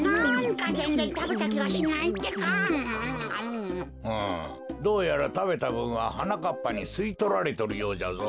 うんどうやらたべたぶんははなかっぱにすいとられとるようじゃぞ。